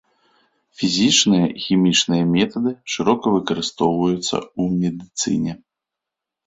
Фізічныя і хімічныя метады шырока выкарыстоўваюцца ў медыцыне.